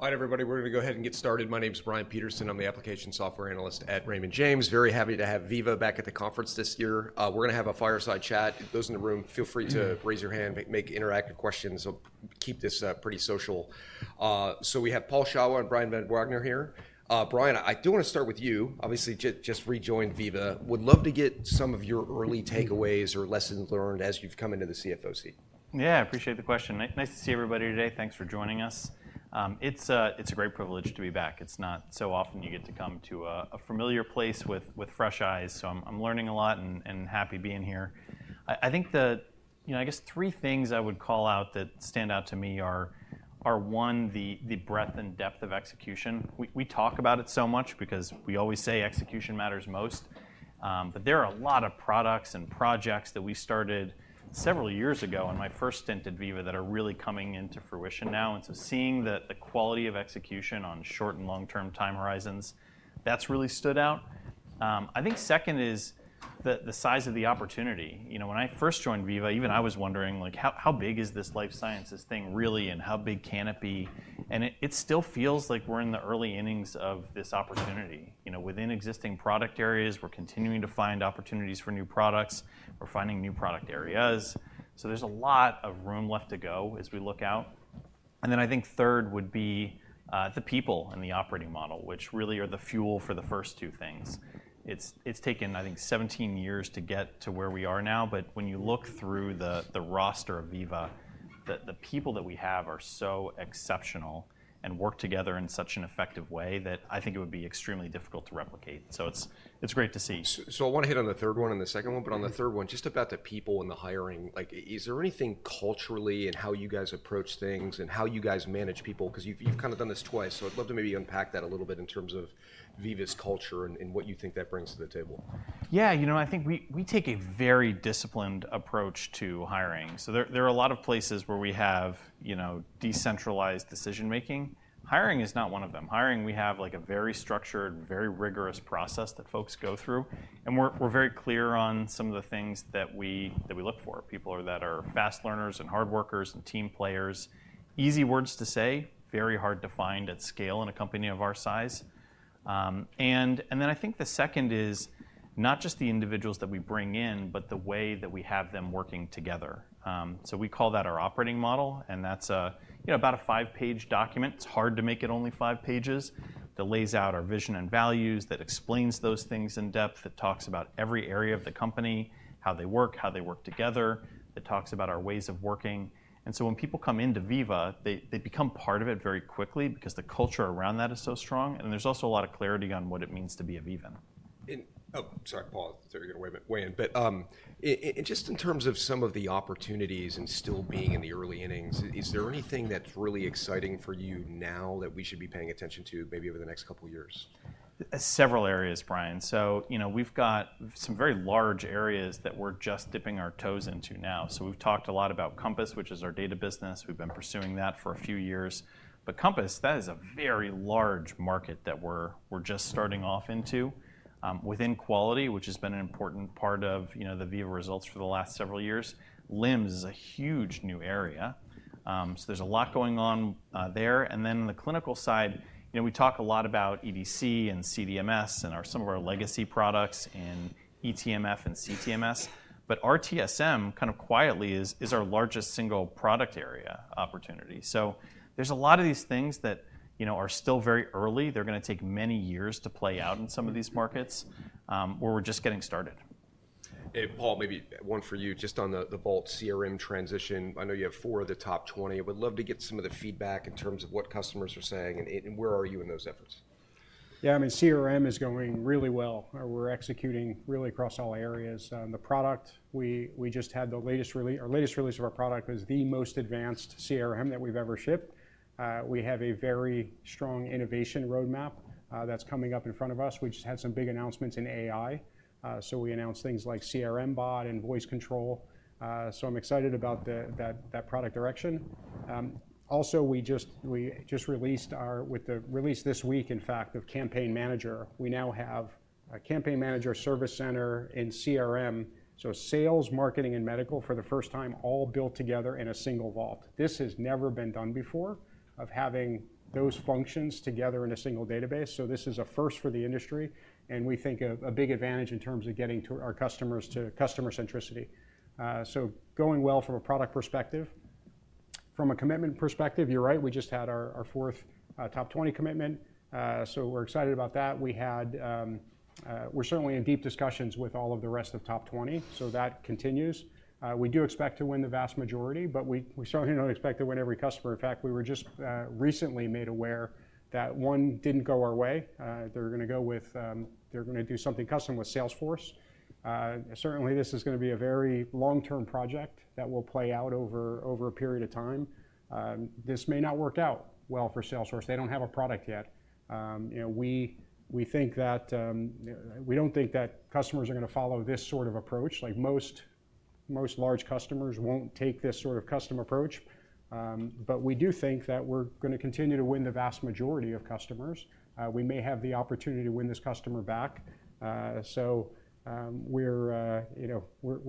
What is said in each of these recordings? All right, everybody, we're going to go ahead and get started. My name is Brian Peterson. I'm the Application Software Analyst at Raymond James. Very happy to have Veeva back at the conference this year. We're going to have a fireside chat. If those in the room, feel free to raise your hand, make interactive questions. We'll keep this pretty social. So we have Paul Shawah and Brian Van Wagener here. Brian, I do want to start with you. Obviously, just rejoined Veeva. Would love to get some of your early takeaways or lessons learned as you've come into the CFO. Yeah, I appreciate the question. Nice to see everybody today. Thanks for joining us. It's a great privilege to be back. It's not so often you get to come to a familiar place with fresh eyes. So I'm learning a lot and happy being here. I think, you know, I guess three things I would call out that stand out to me are, one, the breadth and depth of execution. We talk about it so much because we always say execution matters most. But there are a lot of products and projects that we started several years ago on my first stint at Veeva that are really coming into fruition now. And so seeing the quality of execution on short and long-term time horizons, that's really stood out. I think second is the size of the opportunity. You know, when I first joined Veeva, even I was wondering, like, how big is this life sciences thing really, and how big can it be? And it still feels like we're in the early innings of this opportunity. You know, within existing product areas, we're continuing to find opportunities for new products. We're finding new product areas. So there's a lot of room left to go as we look out. And then I think third would be the people and the operating model, which really are the fuel for the first two things. It's taken, I think, 17 years to get to where we are now. But when you look through the roster of Veeva, the people that we have are so exceptional and work together in such an effective way that I think it would be extremely difficult to replicate. So it's great to see. So I want to hit on the third one and the second one. But on the third one, just about the people and the hiring, like, is there anything culturally in how you guys approach things and how you guys manage people? Because you've kind of done this twice. So I'd love to maybe unpack that a little bit in terms of Veeva's culture and what you think that brings to the table. Yeah, you know, I think we take a very disciplined approach to hiring. So there are a lot of places where we have, you know, decentralized decision-making. Hiring is not one of them. Hiring, we have, like, a very structured, very rigorous process that folks go through. And we're very clear on some of the things that we look for. People that are fast learners and hard workers and team players. Easy words to say, very hard to find at scale in a company of our size. And then I think the second is not just the individuals that we bring in, but the way that we have them working together. So we call that our operating model. And that's about a five-page document. It's hard to make it only five pages. That lays out our vision and values, that explains those things in depth, that talks about every area of the company, how they work, how they work together, that talks about our ways of working, and so when people come into Veeva, they become part of it very quickly because the culture around that is so strong, and there's also a lot of clarity on what it means to be a Veevan. Oh, sorry, Paul, sorry to weigh in, but just in terms of some of the opportunities and still being in the early innings, is there anything that's really exciting for you now that we should be paying attention to maybe over the next couple of years? Several areas, Brian. So, you know, we've got some very large areas that we're just dipping our toes into now. So we've talked a lot about Compass, which is our data business. We've been pursuing that for a few years. But Compass, that is a very large market that we're just starting off into. Within quality, which has been an important part of, you know, the Veeva results for the last several years, LIMS is a huge new area. So there's a lot going on there. And then on the clinical side, you know, we talk a lot about EDC and CDMS and some of our legacy products and eTMF and CTMS. But RTSM, kind of quietly, is our largest single product area opportunity. So there's a lot of these things that, you know, are still very early. They're going to take many years to play out in some of these markets where we're just getting started. Hey, Paul, maybe one for you just on the Vault CRM transition. I know you have four of the top 20. I would love to get some of the feedback in terms of what customers are saying, and where are you in those efforts? Yeah, I mean, CRM is going really well. We're executing really across all areas. The product, we just had the latest release. Our latest release of our product was the most advanced CRM that we've ever shipped. We have a very strong innovation roadmap that's coming up in front of us. We just had some big announcements in AI. So we announced things like CRM Bot and Voice Control. So I'm excited about that product direction. Also, we just released our, with the release this week, in fact, of Campaign Manager. We now have a Campaign Manager Service Center in CRM. So sales, marketing, and medical for the first time all built together in a single Vault. This has never been done before of having those functions together in a single database. So this is a first for the industry. We think a big advantage in terms of getting our customers to customer centricity. So going well from a product perspective. From a commitment perspective, you're right, we just had our fourth top 20 commitment. So we're excited about that. We're certainly in deep discussions with all of the rest of top 20. So that continues. We do expect to win the vast majority, but we certainly don't expect to win every customer. In fact, we were just recently made aware that one didn't go our way. They're going to go with, they're going to do something custom with Salesforce. Certainly, this is going to be a very long-term project that will play out over a period of time. This may not work out well for Salesforce. They don't have a product yet. You know, we think that, we don't think that customers are going to follow this sort of approach. Like, most large customers won't take this sort of custom approach, but we do think that we're going to continue to win the vast majority of customers. We may have the opportunity to win this customer back, so we're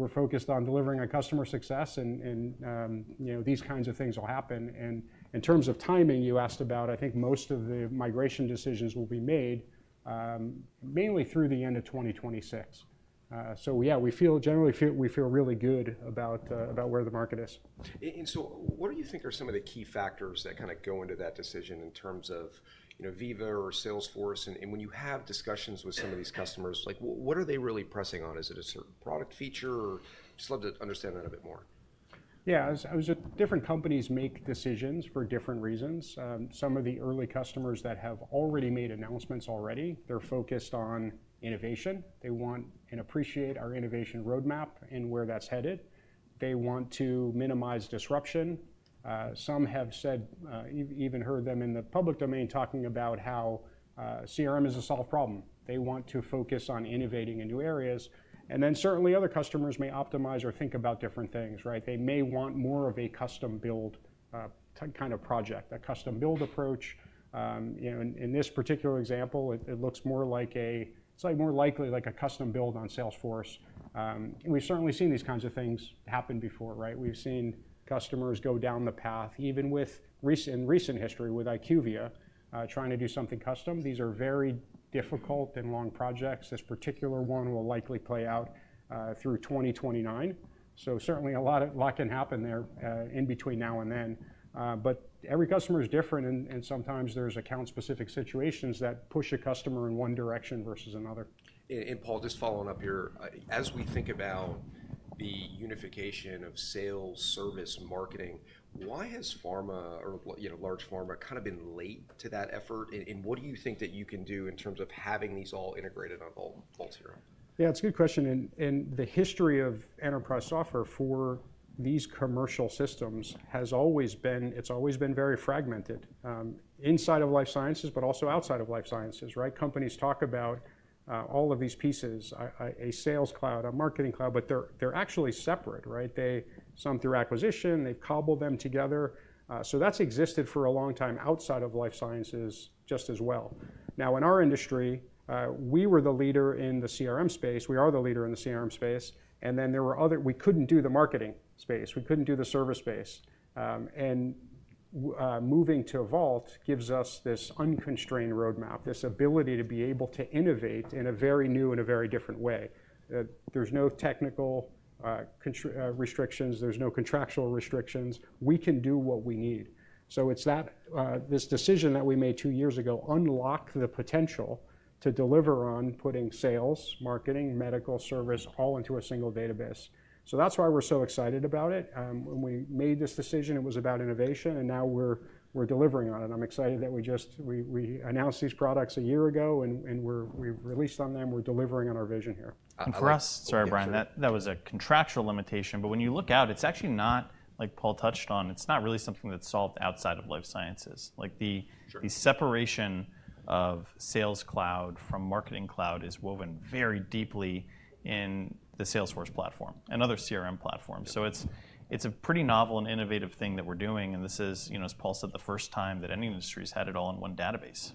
focused on delivering on customer success, and these kinds of things will happen, and in terms of timing, you asked about, I think most of the migration decisions will be made mainly through the end of 2026, so yeah, we feel, generally, we feel really good about where the market is. And so what do you think are some of the key factors that kind of go into that decision in terms of Veeva or Salesforce? And when you have discussions with some of these customers, like, what are they really pressing on? Is it a certain product feature? Just love to understand that a bit more. Yeah, different companies make decisions for different reasons. Some of the early customers that have already made announcements, they're focused on innovation. They want and appreciate our innovation roadmap and where that's headed. They want to minimize disruption. Some have said, even heard them in the public domain talking about how CRM is a solved problem. They want to focus on innovating in new areas. And then certainly other customers may optimize or think about different things, right? They may want more of a custom-built kind of project, a custom-built approach. In this particular example, it looks more like it's more likely a custom-built on Salesforce. And we've certainly seen these kinds of things happen before, right? We've seen customers go down the path, even with, in recent history with IQVIA trying to do something custom. These are very difficult and long projects. This particular one will likely play out through 2029. So certainly a lot can happen there in between now and then. But every customer is different. And sometimes there's account-specific situations that push a customer in one direction versus another. And Paul, just following up here, as we think about the unification of sales, service, marketing, why has pharma or large pharma kind of been late to that effort? And what do you think that you can do in terms of having these all integrated on Vaults here? Yeah, it's a good question. And the history of enterprise software for these commercial systems has always been, it's always been very fragmented inside of life sciences, but also outside of life sciences, right? Companies talk about all of these pieces, a sales cloud, a marketing cloud, but they're actually separate, right? They, some through acquisition, they've cobbled them together. So that's existed for a long time outside of life sciences just as well. Now, in our industry, we were the leader in the CRM space. We are the leader in the CRM space. And then there were others, we couldn't do the marketing space. We couldn't do the service space. And moving to a Vault gives us this unconstrained roadmap, this ability to be able to innovate in a very new and a very different way. There's no technical restrictions. There's no contractual restrictions. We can do what we need so it's that, this decision that we made two years ago unlocked the potential to deliver on putting sales, marketing, medical, service all into a single database, so that's why we're so excited about it. When we made this decision, it was about innovation and now we're delivering on it. I'm excited that we just announced these products a year ago and we've released on them. We're delivering on our vision here. For us, sorry, Brian, that was a contractual limitation. When you look out, it's actually not, like Paul touched on, it's not really something that's solved outside of life sciences. Like the separation of Sales Cloud from Marketing Cloud is woven very deeply in the Salesforce platform and other CRM platforms. It's a pretty novel and innovative thing that we're doing. This is, you know, as Paul said, the first time that any industry has had it all in one database.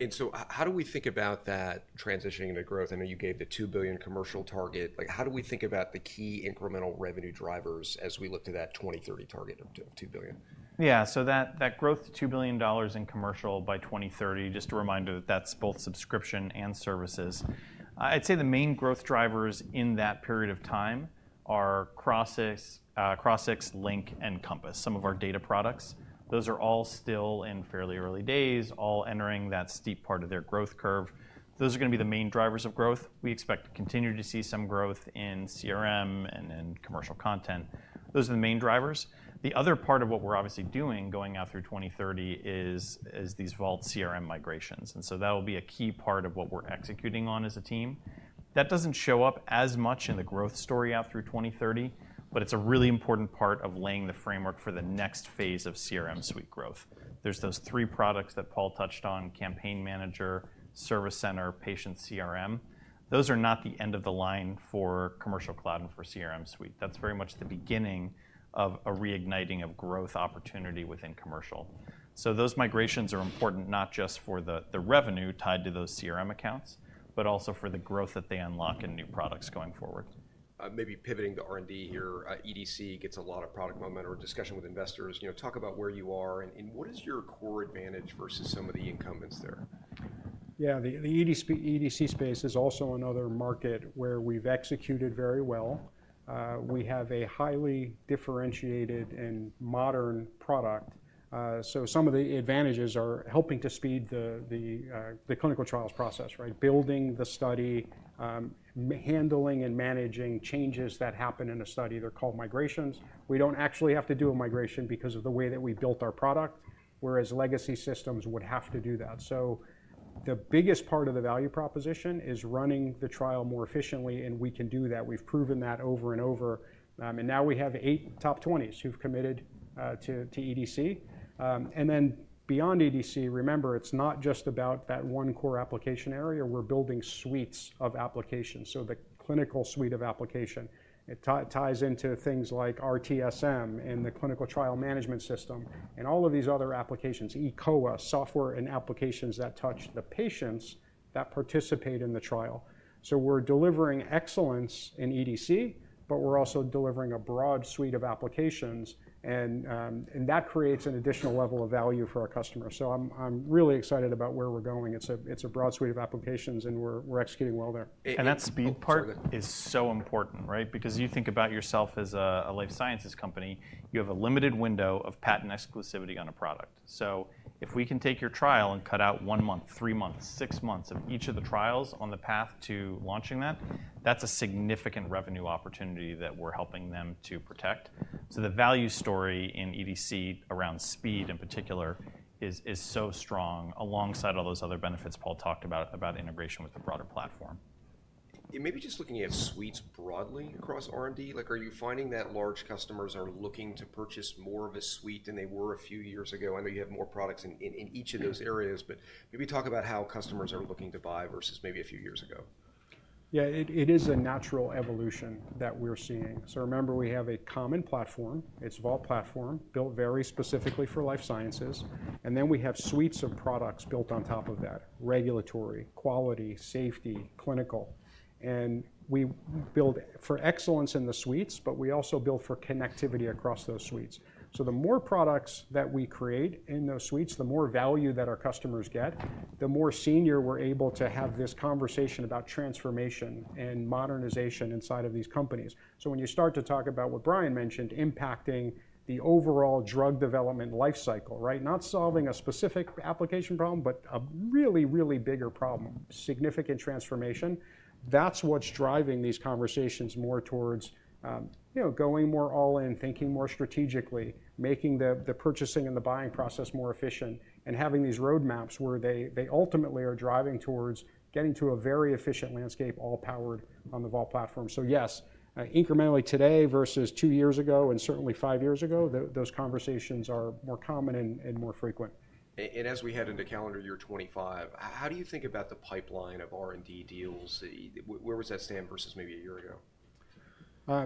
And so how do we think about that transitioning into growth? I know you gave the $2 billion commercial target. Like, how do we think about the key incremental revenue drivers as we look to that 2030 target of $2 billion? Yeah, so that growth, $2 billion in commercial by 2030, just a reminder that that's both subscription and services. I'd say the main growth drivers in that period of time are Crossix, Link, and Compass, some of our data products. Those are all still in fairly early days, all entering that steep part of their growth curve. Those are going to be the main drivers of growth. We expect to continue to see some growth in CRM and commercial content. Those are the main drivers. The other part of what we're obviously doing going out through 2030 is these Vault CRM migrations. And so that will be a key part of what we're executing on as a team. That doesn't show up as much in the growth story out through 2030, but it's a really important part of laying the framework for the next phase of CRM suite growth. There's those three products that Paul touched on: Campaign Manager, Service Center, Patient CRM. Those are not the end of the line for Commercial Cloud and for CRM suite. That's very much the beginning of a reigniting of growth opportunity within commercial. So those migrations are important not just for the revenue tied to those CRM accounts, but also for the growth that they unlock in new products going forward. Maybe pivoting to R&D here, EDC gets a lot of product momentum or discussion with investors. You know, talk about where you are and what is your core advantage versus some of the incumbents there? Yeah, the EDC space is also another market where we've executed very well. We have a highly differentiated and modern product. So some of the advantages are helping to speed the clinical trials process, right? Building the study, handling and managing changes that happen in a study. They're called migrations. We don't actually have to do a migration because of the way that we built our product, whereas legacy systems would have to do that. So the biggest part of the value proposition is running the trial more efficiently. And we can do that. We've proven that over and over. And now we have eight top 20s who've committed to EDC. And then beyond EDC, remember, it's not just about that one core application area. We're building suites of applications. So the clinical suite of application, it ties into things like RTSM and the clinical trial management system and all of these other applications, eCOA, software and applications that touch the patients that participate in the trial. So we're delivering excellence in EDC, but we're also delivering a broad suite of applications. And that creates an additional level of value for our customers. So I'm really excited about where we're going. It's a broad suite of applications. And we're executing well there. That speed part is so important, right? Because you think about yourself as a life sciences company, you have a limited window of patent exclusivity on a product. So if we can take your trial and cut out one month, three months, six months of each of the trials on the path to launching that, that's a significant revenue opportunity that we're helping them to protect. So the value story in EDC around speed in particular is so strong alongside all those other benefits Paul talked about, about integration with the broader platform. Maybe just looking at suites broadly across R&D, like, are you finding that large customers are looking to purchase more of a suite than they were a few years ago? I know you have more products in each of those areas, but maybe talk about how customers are looking to buy versus maybe a few years ago. Yeah, it is a natural evolution that we're seeing. So remember, we have a common platform. It's a Vault Platform built very specifically for life sciences. And then we have suites of products built on top of that: regulatory, quality, safety, clinical. And we build for excellence in the suites, but we also build for connectivity across those suites. So the more products that we create in those suites, the more value that our customers get, the more senior we're able to have this conversation about transformation and modernization inside of these companies. So when you start to talk about what Brian mentioned, impacting the overall drug development life cycle, right? Not solving a specific application problem, but a really, really bigger problem, significant transformation. That's what's driving these conversations more towards, you know, going more all-in, thinking more strategically, making the purchasing and the buying process more efficient, and having these roadmaps where they ultimately are driving towards getting to a very efficient landscape all powered on the Vault Platform, so yes, incrementally today versus two years ago and certainly five years ago, those conversations are more common and more frequent. As we head into calendar year 2025, how do you think about the pipeline of R&D deals? Where was that stand versus maybe a year ago?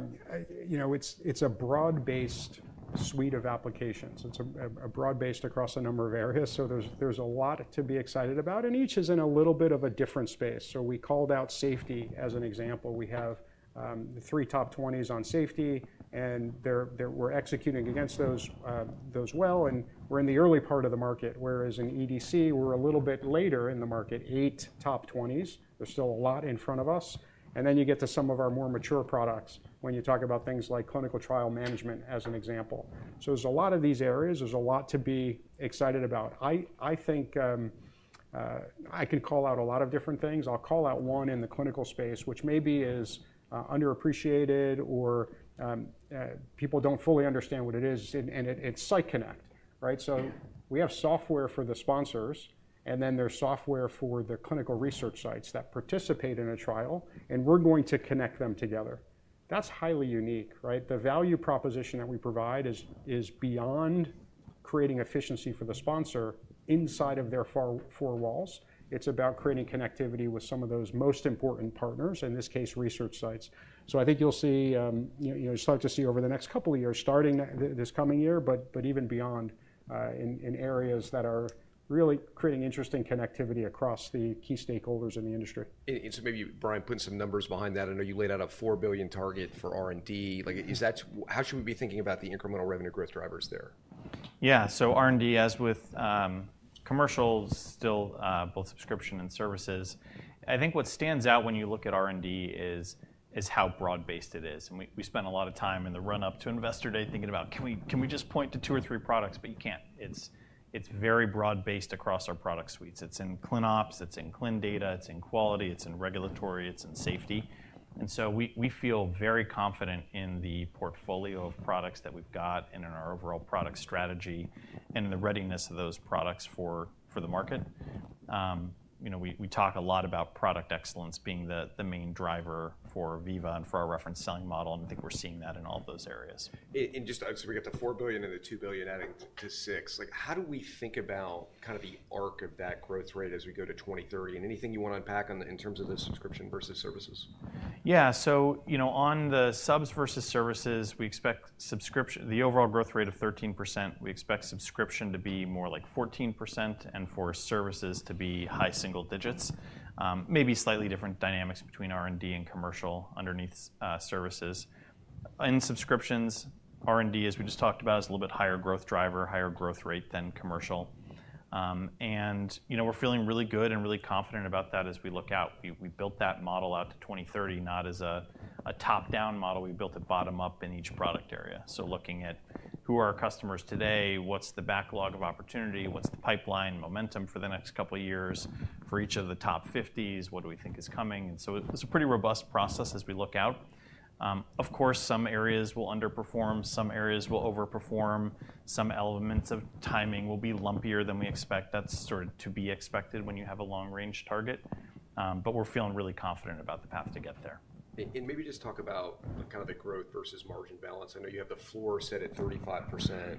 You know, it's a broad-based suite of applications. It's broad-based across a number of areas. So there's a lot to be excited about. And each is in a little bit of a different space. So we called out safety as an example. We have three top 20s on safety. And we're executing against those well. And we're in the early part of the market, whereas in EDC, we're a little bit later in the market, eight top 20s. There's still a lot in front of us. And then you get to some of our more mature products when you talk about things like clinical trial management as an example. So there's a lot of these areas. There's a lot to be excited about. I think I can call out a lot of different things. I'll call out one in the clinical space, which maybe is underappreciated or people don't fully understand what it is. And it's Site Connect, right? So we have software for the sponsors. And then there's software for the clinical research sites that participate in a trial. And we're going to connect them together. That's highly unique, right? The value proposition that we provide is beyond creating efficiency for the sponsor inside of their four walls. It's about creating connectivity with some of those most important partners, in this case, research sites. So I think you'll see, you know, you'll start to see over the next couple of years, starting this coming year, but even beyond in areas that are really creating interesting connectivity across the key stakeholders in the industry. And so maybe Brian put some numbers behind that. I know you laid out a $4 billion target for R&D. Like, how should we be thinking about the incremental revenue growth drivers there? Yeah, so R&D, as with commercials, still both subscription and services. I think what stands out when you look at R&D is how broad-based it is. And we spent a lot of time in the run-up to Investor Day thinking about, can we just point to two or three products? But you can't. It's very broad-based across our product suites. It's in Clin Ops. It's in Clin Data. It's in Quality. It's in Regulatory. It's in Safety. And so we feel very confident in the portfolio of products that we've got and in our overall product strategy and in the readiness of those products for the market. You know, we talk a lot about product excellence being the main driver for Veeva and for our reference selling model. And I think we're seeing that in all of those areas. Just as we get to $4 billion and the $2 billion adding to six, like, how do we think about kind of the arc of that growth rate as we go to 2030? And anything you want to unpack in terms of the subscription versus services? Yeah, so you know, on the subs versus services, we expect subscription, the overall growth rate of 13%. We expect subscription to be more like 14% and for services to be high single digits. Maybe slightly different dynamics between R&D and commercial underneath services. In subscriptions, R&D, as we just talked about, is a little bit higher growth driver, higher growth rate than commercial. And you know, we're feeling really good and really confident about that as we look out. We built that model out to 2030, not as a top-down model. We built a bottom-up in each product area. So looking at who are our customers today, what's the backlog of opportunity, what's the pipeline momentum for the next couple of years for each of the top 50s, what do we think is coming? And so it's a pretty robust process as we look out. Of course, some areas will underperform. Some areas will overperform. Some elements of timing will be lumpier than we expect. That's sort of to be expected when you have a long-range target. But we're feeling really confident about the path to get there. Maybe just talk about kind of the growth versus margin balance. I know you have the floor set at 35%.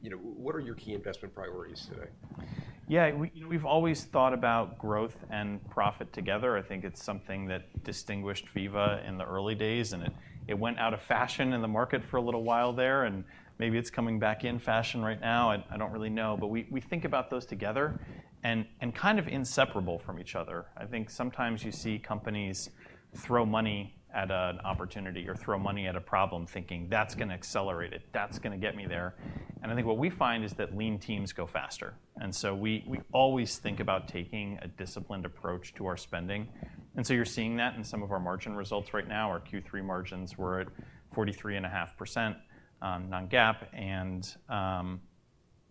You know, what are your key investment priorities today? Yeah, you know, we've always thought about growth and profit together. I think it's something that distinguished Veeva in the early days, and it went out of fashion in the market for a little while there, and maybe it's coming back in fashion right now. I don't really know, but we think about those together and kind of inseparable from each other. I think sometimes you see companies throw money at an opportunity or throw money at a problem thinking, that's going to accelerate it. That's going to get me there, and I think what we find is that lean teams go faster, and so we always think about taking a disciplined approach to our spending, and so you're seeing that in some of our margin results right now. Our Q3 margins were at 43.5% non-GAAP, and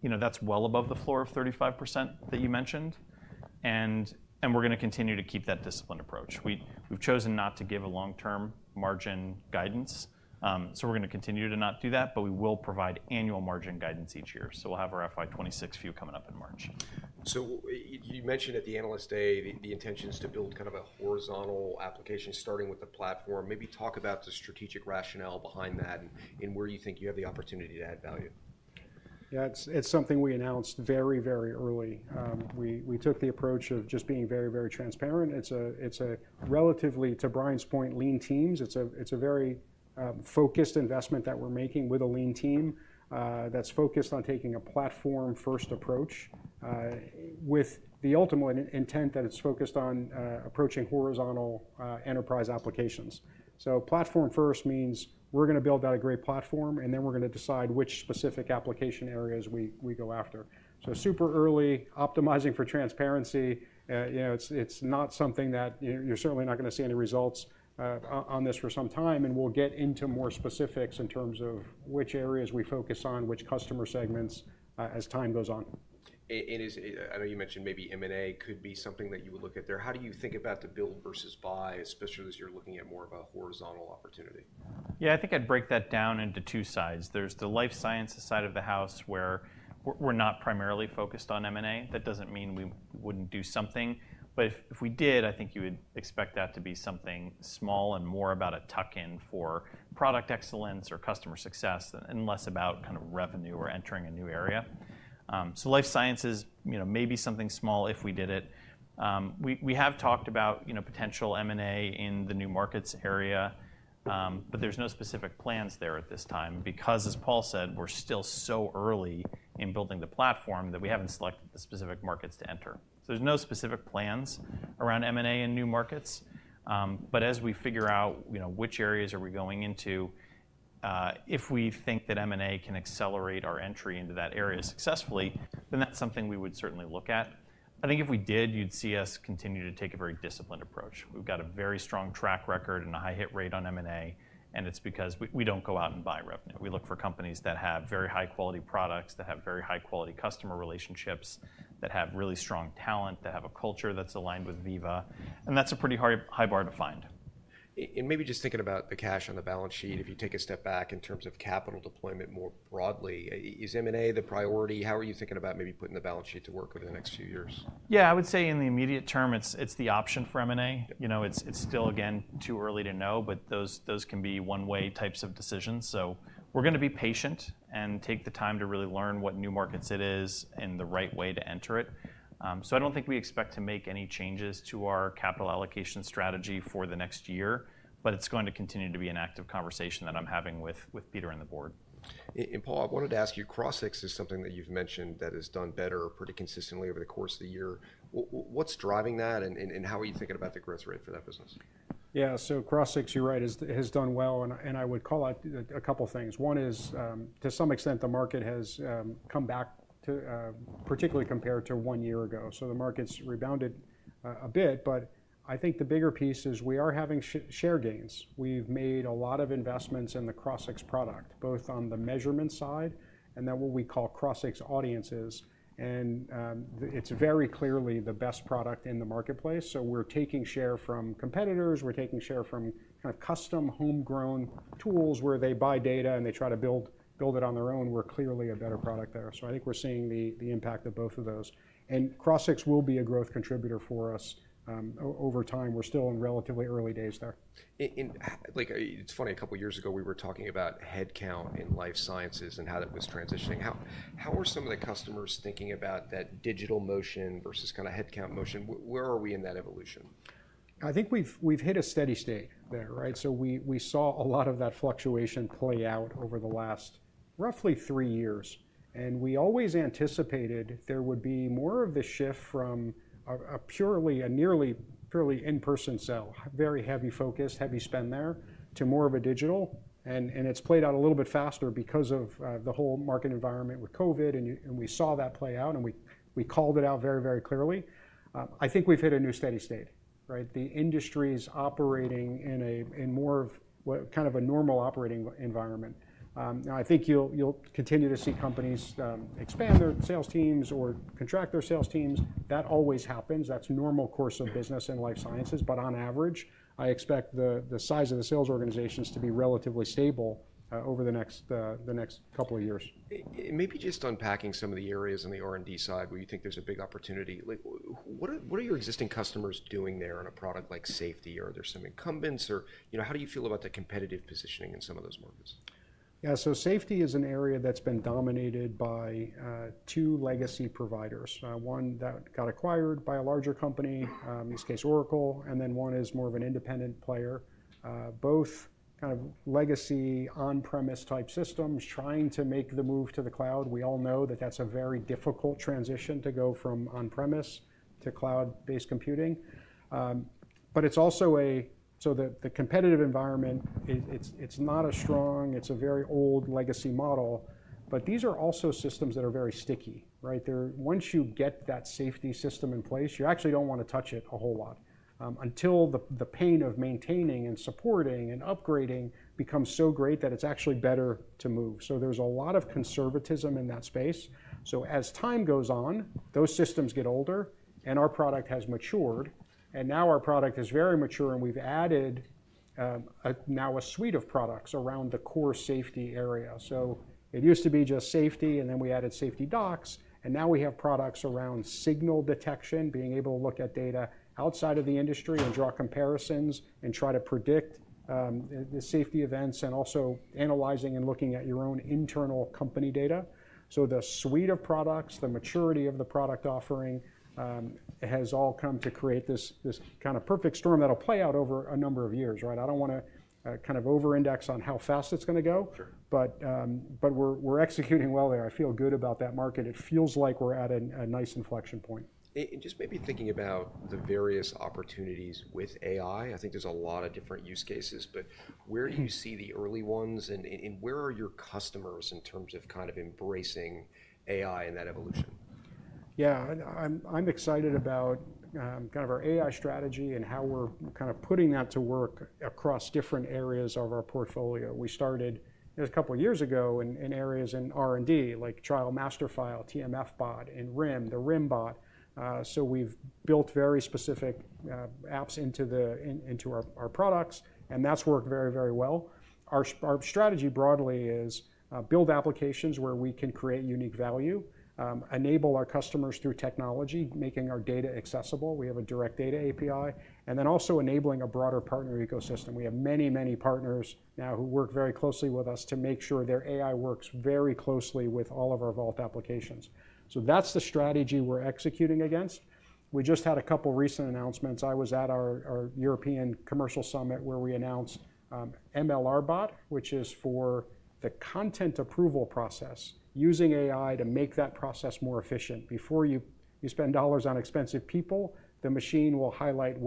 you know, that's well above the floor of 35% that you mentioned. And we're going to continue to keep that disciplined approach. We've chosen not to give a long-term margin guidance. So we're going to continue to not do that. But we will provide annual margin guidance each year. So we'll have our FY26 view coming up in March. You mentioned at the Analyst Day the intentions to build kind of a horizontal application starting with the platform. Maybe talk about the strategic rationale behind that and where you think you have the opportunity to add value. Yeah, it's something we announced very, very early. We took the approach of just being very, very transparent. It's a relatively, to Brian's point, lean teams. It's a very focused investment that we're making with a lean team that's focused on taking a platform-first approach with the ultimate intent that it's focused on approaching horizontal enterprise applications. So platform-first means we're going to build out a great platform. And then we're going to decide which specific application areas we go after. So super early, optimizing for transparency. You know, it's not something that you're certainly not going to see any results on this for some time. And we'll get into more specifics in terms of which areas we focus on, which customer segments as time goes on. I know you mentioned maybe M&A could be something that you would look at there. How do you think about the build versus buy, especially as you're looking at more of a horizontal opportunity? Yeah, I think I'd break that down into two sides. There's the life sciences side of the house where we're not primarily focused on M&A. That doesn't mean we wouldn't do something. But if we did, I think you would expect that to be something small and more about a tuck-in for product excellence or customer success and less about kind of revenue or entering a new area. So life sciences, you know, maybe something small if we did it. We have talked about, you know, potential M&A in the new markets area. But there's no specific plans there at this time because, as Paul said, we're still so early in building the platform that we haven't selected the specific markets to enter. So there's no specific plans around M&A in new markets. But as we figure out, you know, which areas are we going into, if we think that M&A can accelerate our entry into that area successfully, then that's something we would certainly look at. I think if we did, you'd see us continue to take a very disciplined approach. We've got a very strong track record and a high hit rate on M&A. And it's because we don't go out and buy revenue. We look for companies that have very high-quality products, that have very high-quality customer relationships, that have really strong talent, that have a culture that's aligned with Veeva. And that's a pretty high bar to find. Maybe just thinking about the cash on the balance sheet, if you take a step back in terms of capital deployment more broadly, is M&A the priority? How are you thinking about maybe putting the balance sheet to work over the next few years? Yeah, I would say in the immediate term, it's the option for M&A. You know, it's still, again, too early to know. But those can be one-way types of decisions. So we're going to be patient and take the time to really learn what new markets it is and the right way to enter it. So I don't think we expect to make any changes to our capital allocation strategy for the next year. But it's going to continue to be an active conversation that I'm having with Peter and the board. Paul, I wanted to ask you, Crossix is something that you've mentioned that has done better pretty consistently over the course of the year. What's driving that? And how are you thinking about the growth rate for that business? Yeah, so Crossix, you're right, has done well, and I would call out a couple of things. One is, to some extent, the market has come back, particularly compared to one year ago, so the market's rebounded a bit, but I think the bigger piece is we are having share gains. We've made a lot of investments in the Crossix product, both on the measurement side and then what we call Crossix Audiences, and it's very clearly the best product in the marketplace, so we're taking share from competitors. We're taking share from kind of custom homegrown tools where they buy data and they try to build it on their own. We're clearly a better product there, so I think we're seeing the impact of both of those, and Crossix will be a growth contributor for us over time. We're still in relatively early days there. Like, it's funny, a couple of years ago we were talking about headcount in life sciences and how that was transitioning. How are some of the customers thinking about that digital motion versus kind of headcount motion? Where are we in that evolution? I think we've hit a steady state there, right, so we saw a lot of that fluctuation play out over the last roughly three years, and we always anticipated there would be more of the shift from a purely, a nearly purely in-person sell, very heavy focus, heavy spend there, to more of a digital, and it's played out a little bit faster because of the whole market environment with COVID, and we saw that play out, and we called it out very, very clearly. I think we've hit a new steady state, right? The industry's operating in more of kind of a normal operating environment. Now, I think you'll continue to see companies expand their sales teams or contract their sales teams. That always happens. That's normal course of business in life sciences. But on average, I expect the size of the sales organizations to be relatively stable over the next couple of years. Maybe just unpacking some of the areas on the R&D side where you think there's a big opportunity. Like, what are your existing customers doing there on a product like safety? Are there some incumbents? Or, you know, how do you feel about the competitive positioning in some of those markets? Yeah, so safety is an area that's been dominated by two legacy providers. One that got acquired by a larger company, in this case, Oracle. And then one is more of an independent player. Both kind of legacy on-premise type systems trying to make the move to the cloud. We all know that that's a very difficult transition to go from on-premise to cloud-based computing. But it's also a, so the competitive environment, it's not a strong, it's a very old legacy model. But these are also systems that are very sticky, right? Once you get that safety system in place, you actually don't want to touch it a whole lot until the pain of maintaining and supporting and upgrading becomes so great that it's actually better to move. So there's a lot of conservatism in that space. So as time goes on, those systems get older. And our product has matured. And now our product is very mature. And we've added now a suite of products around the core safety area. So it used to be just safety. And then we added SafetyDocs. And now we have products around signal detection, being able to look at data outside of the industry and draw comparisons and try to predict the safety events and also analyzing and looking at your own internal company data. So the suite of products, the maturity of the product offering has all come to create this kind of perfect storm that'll play out over a number of years, right? I don't want to kind of over-index on how fast it's going to go. But we're executing well there. I feel good about that market. It feels like we're at a nice inflection point. And just maybe thinking about the various opportunities with AI. I think there's a lot of different use cases. But where do you see the early ones? And where are your customers in terms of kind of embracing AI and that evolution? Yeah, I'm excited about kind of our AI strategy and how we're kind of putting that to work across different areas of our portfolio. We started a couple of years ago in areas in R&D like trial master file, TMF Bot, and RIM, the RIM Bot, so we've built very specific apps into our products, and that's worked very, very well. Our strategy broadly is build applications where we can create unique value, enable our customers through technology, making our data accessible, we have a direct data API, and then also enabling a broader partner ecosystem. We have many, many partners now who work very closely with us to make sure their AI works very closely with all of our Vault applications, so that's the strategy we're executing against. We just had a couple of recent announcements. I was at our European commercial summit where we announced MLR Bot, which is for the content approval process using AI to make that process more efficient. Before you spend dollars on expensive people, the machine will highlight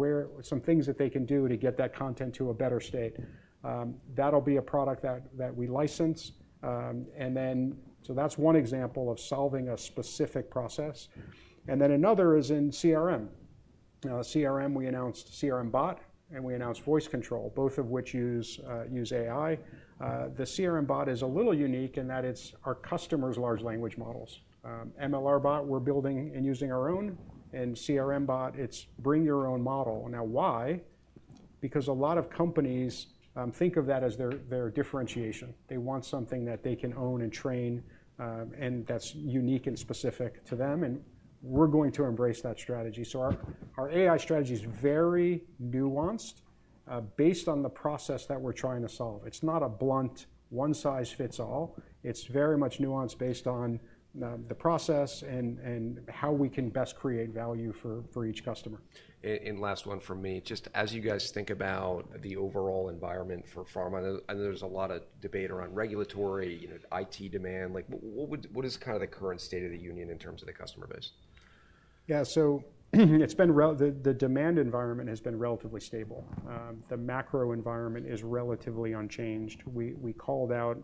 some things that they can do to get that content to a better state. That'll be a product that we license, and then so that's one example of solving a specific process, and then another is in CRM. Now, CRM, we announced CRM Bot and we announced Voice Control, both of which use AI. The CRM Bot is a little unique in that it's our customer's large language models. MLR Bot we're building and using our own, and CRM Bot, it's bring your own model. Now, why? Because a lot of companies think of that as their differentiation. They want something that they can own and train. And that's unique and specific to them. And we're going to embrace that strategy. So our AI strategy is very nuanced based on the process that we're trying to solve. It's not a blunt one-size-fits-all. It's very much nuanced based on the process and how we can best create value for each customer. And last one from me. Just as you guys think about the overall environment for pharma, I know there's a lot of debate around regulatory, IT demand. Like, what is kind of the current state of the union in terms of the customer base? Yeah, so it's been the demand environment has been relatively stable. The macro environment is relatively unchanged. We called out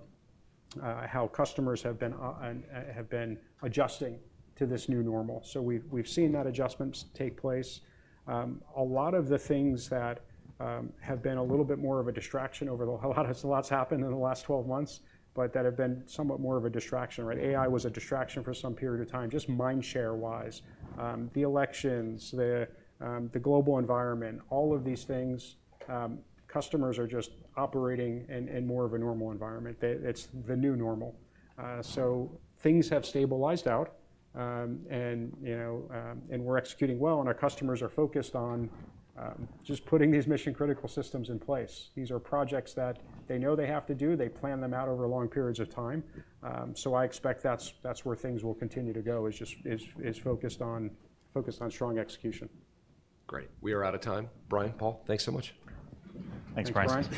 how customers have been adjusting to this new normal. So we've seen that adjustment take place. A lot of the things that have been a little bit more of a distraction over the last, a lot's happened in the last 12 months, but that have been somewhat more of a distraction, right? AI was a distraction for some period of time, just mind share-wise. The elections, the global environment, all of these things, customers are just operating in more of a normal environment. It's the new normal. So things have stabilized out. And, you know, we're executing well. And our customers are focused on just putting these mission-critical systems in place. These are projects that they know they have to do. They plan them out over long periods of time. So I expect that's where things will continue to go is just focused on strong execution. Great. We are out of time. Brian, Paul, thanks so much. Thanks, Brian.